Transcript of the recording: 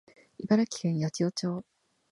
茨城県八千代町